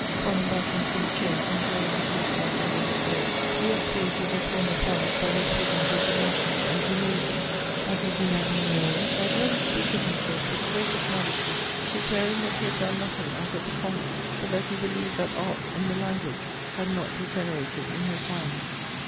Falling back into his chair, and drawing his night cap over his ears, he expiated his former pride by his present resignation and humility. At a dinner at Migneret's, I had heard him speak of himself with the greatest modesty, declaring that he had done nothing out of the common, but that he believed that art and the language had not degenerated in his hands.